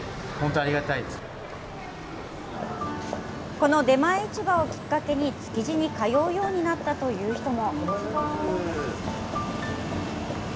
この出前市場をきっかけに、築地に通うようになったという人も。